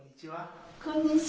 こんにちは。